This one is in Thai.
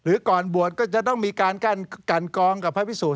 หรือก่อนบวชก็จะต้องมีการกันกองกับพระวิสุทธิ์